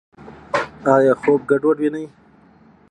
ایا خوب ګډوډ وینئ؟